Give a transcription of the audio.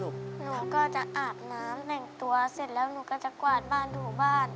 หนูก็จะอาบน้ำแต่งตัวเสร็จแล้วหนูก็จะกวาดบ้านถูบ้าน